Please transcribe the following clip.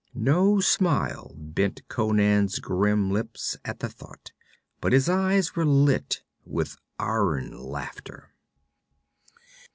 No smile bent Conan's grim lips at the thought, but his eyes were lit with iron laughter.